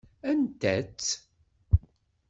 Anta-tt?